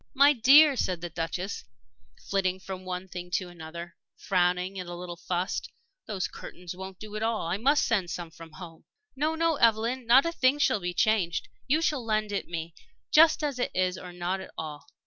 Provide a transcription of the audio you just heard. "My dear," said the Duchess, flitting from one thing to another, frowning and a little fussed, "those curtains won't do at all. I must send some from home." "No, no, Evelyn. Not a thing shall be changed. You shall lend it me just as it is or not at all.